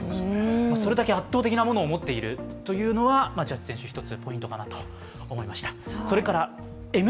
それだけ圧倒的なものを持っているというのはジャッジ選手、一つポイントかなと思いました。